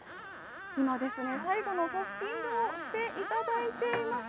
今、最後のトッピングをしていただいています。